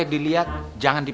oh di t tempo banyak garcia